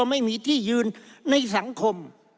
ไม่มีที่ยืนในสังคม